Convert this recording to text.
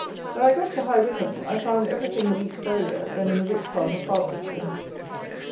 When I got to High Wycombe, I found everything a week earlier than in the rich part of Hertfordshire.